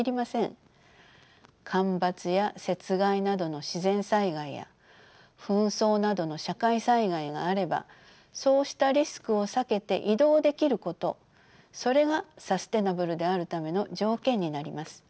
干ばつや雪害などの自然災害や紛争などの社会災害があればそうしたリスクを避けて移動できることそれがサステナブルであるための条件になります。